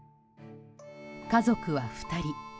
家族は２人。